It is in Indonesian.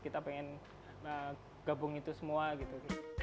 kita pengen gabung itu semua gitu